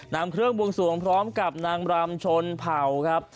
นำเครื่องบวงสวงพร้อมกับนางรำชนเผ่าครับ